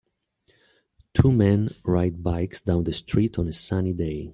Two men ride bikes down the street on a sunny day.